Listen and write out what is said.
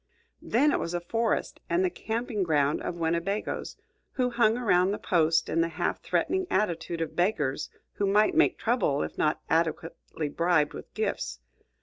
Then it was a forest, and the camping ground of Winnebagoes, who hung around the post in the half threatening attitude of beggars who might make trouble if not adequately bribed with gifts.